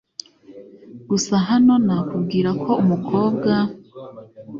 gusa hano nakubwira ko umukobwa